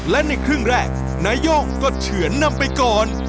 และในครึ่งแรกนาย่งก็เฉือนนำไปก่อน